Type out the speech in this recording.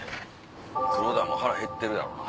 黒田も腹へってるやろな。